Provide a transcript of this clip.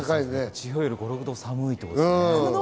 地上より５６度寒いということですね。